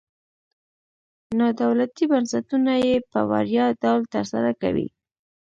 نادولتي بنسټونه یې په وړیا ډول تر سره کوي.